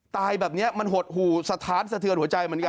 ตายแบบนี้มันหดหู่สะท้านสะเทือนหัวใจเหมือนกัน